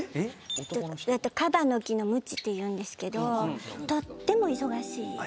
カバの木のムチっていうんですけどとっても忙しい。